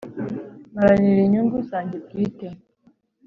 mparanira inyungu zanjye bwite